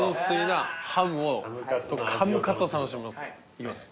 いきます